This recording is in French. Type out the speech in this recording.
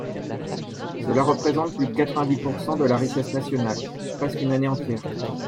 Cela représente plus de quatre-vingt-dix pourcent de la richesse nationale, presque une année entière.